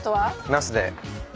ナスで。